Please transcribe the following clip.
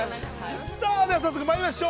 さあ、では早速まいりましょう。